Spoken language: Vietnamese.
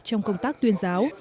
trong công tác tuyên giáo